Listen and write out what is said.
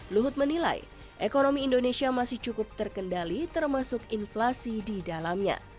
luhut menilai ekonomi indonesia masih cukup terkendali termasuk inflasi di dalamnya